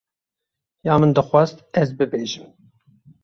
Ya min dixwast ez bibêjim.